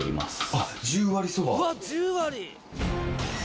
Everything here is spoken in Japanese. あっ十割そば。